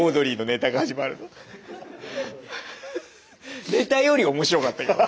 ネタより面白かったよ